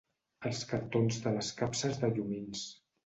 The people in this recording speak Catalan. Els cartons de les capses de llumins.